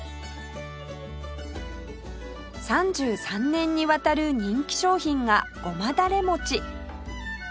３３年にわたる人気商品がごまだれ餅